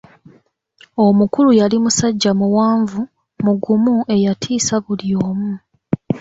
Omukulu yali musajja muwanvu, mugumu eyatiisa buli omu.